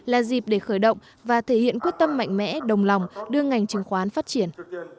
là dịp để khởi động và thể hiện quyết tâm mạnh mẽ đồng lòng đưa ngành chứng khoán phát triển